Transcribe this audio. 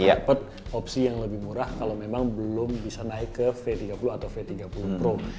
dapat opsi yang lebih murah kalau memang belum bisa naik ke v tiga puluh atau v tiga puluh pro